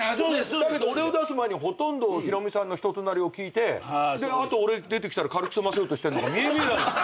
だけど俺を出す前にほとんどひろみさんの人となりを聞いてあと俺出てきたら軽く済ませようとしてんのが見え見え。